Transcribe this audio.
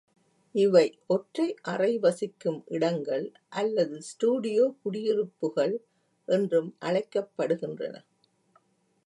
இவை ஒற்றை அறை வசிக்கும் இடங்கள் அல்லது ஸ்டுடியோ குடியிருப்புகள் என்றும் அழைக்கப்படுகின்றன.